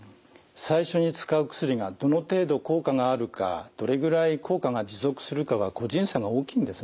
最初に使う薬がどの程度効果があるかどれぐらい効果が持続するかは個人差が大きいんですね。